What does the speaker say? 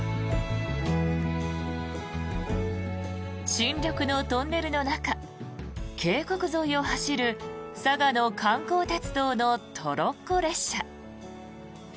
新緑のトンネルの中渓谷沿いを走る嵯峨野観光鉄道のトロッコ列車。